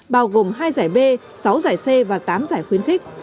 bao gồm hai giải b sáu giải c và tám giải khuyến khích